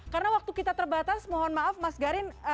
karena waktu kita terbatas mohon maaf mas garin